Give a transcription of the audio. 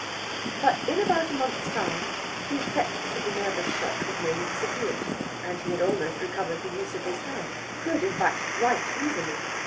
But in about a month's time the effects of the nervous shock had nearly disappeared, and he had almost recovered the use of his hand could, in fact, write easily.